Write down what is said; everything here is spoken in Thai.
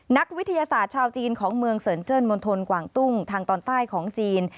นักวิทยาศาสตร์ชาวจีนของเมืองเสริญเจิ้นมณฑลกว่างตุ้งทางตอนใต้ของจีน